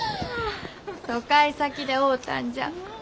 疎開先で会うたんじゃ。